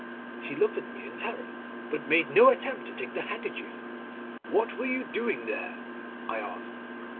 She looked at me in terror but made no attempt to take the handkerchief. "What were you doing there?" I asked.